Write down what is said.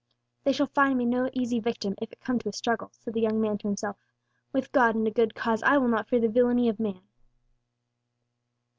"They shall find me no easy victim, if it come to a struggle," said the young man to himself; "with God and a good cause I will not fear the villany of man."